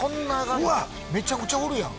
めちゃくちゃおるやん！